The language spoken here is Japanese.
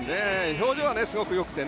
表情はすごくよくて。